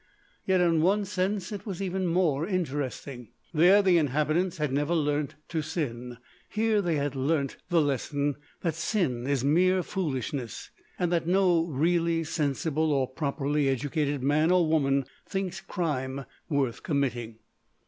Yet in one sense, it was even more interesting. There the inhabitants had never learnt to sin; here they had learnt the lesson that sin is mere foolishness, and that no really sensible or properly educated man or woman thinks crime worth committing.